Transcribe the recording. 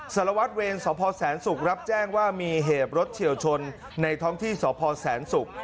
สารวัตรเวรสพแสนศุกร์รับแจ้งว่ามีเหตุรถเฉียวชนในท้องที่สพแสนศุกร์